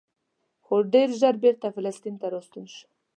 خو ډېر ژر بېرته فلسطین ته راستون شو.